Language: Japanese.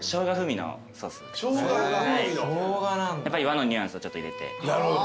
和のニュアンスをちょっと入れて。